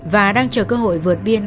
và đang chờ cơ hội vượt biên